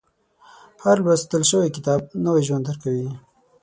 • هر لوستل شوی کتاب، نوی ژوند درکوي.